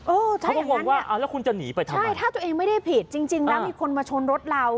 เออใช่อย่างนั้นเนี่ยใช่ถ้าตัวเองไม่ได้ผิดจริงแล้วมีคนมาชนรถเรา